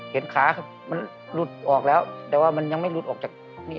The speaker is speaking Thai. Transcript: ขามันหลุดออกแล้วแต่ว่ามันยังไม่หลุดออกจากนี่